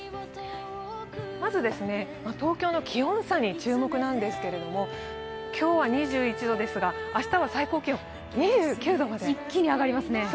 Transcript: まず、東京の気温差に注目なんですけれども、今日は２１度ですが明日は最高気温２９度まで上がります。